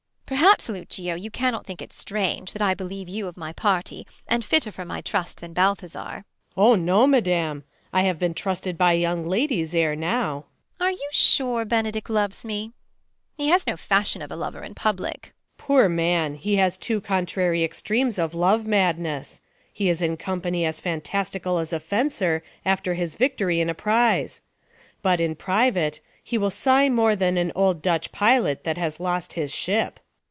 Perhaps, Lucio, you cannot think it strange, That I believe you of my party ; THE LAW AGAINST LOVERS. 155 And fitter for my trust than Balthazar. Luc. 0 no, madam, I have been trusted by Young ladies ere now. Beat. Are you sure Benedick loves me ? he has No fashion of a lover in public. Luc. Poor man, he has two contrary extremes Of love madness. He is in company As fantastical as a fencer after His victory in a prize ; but, in private. He will sigh more than an old Dutch pilot That has lost his ship.